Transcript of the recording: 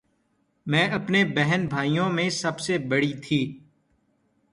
میں اپنے بہن بھائیوں میں سب سے بڑی تھی